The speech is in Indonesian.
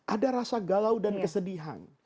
ada rasa galau dan kesedihan